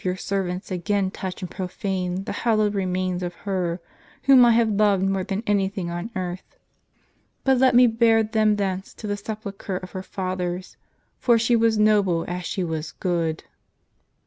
4S6 your servants again touch and profane the hallowed remains of her, whom I have loved more than any thing on earth ; but let me bear them hence to the sepulchre of her fathers ; for she was noble as she was good."